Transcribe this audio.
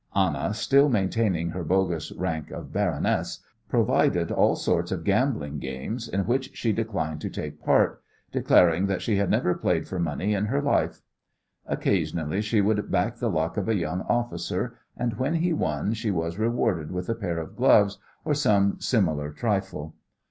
Anna, still maintaining her bogus rank of baroness, provided all sorts of gambling games, in which she declined to take part, declaring that she had never played for money in her life. Occasionally she would back the luck of a young officer, and when he won she was rewarded with a pair of gloves or some similar trifle.